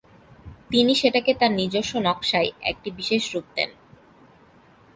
তিনি সেটিকে তার নিজস্ব নকশায় একটি বিশেষ রূপ দেন।